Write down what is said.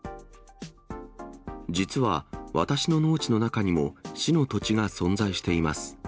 実は、私の農地の中にも、市の土地が存在しています。